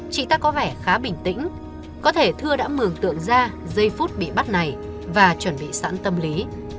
chị ta có vẻ khá bình tĩnh có thể thưa đã mường tượng ra giây phút bị bắt này và chuẩn bị sẵn tâm lý